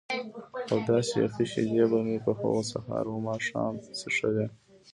او داسې یخې شیدې به مې په هغو سهار و ماښام څښلې.